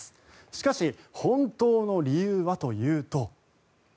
しかし本当の理由はというと。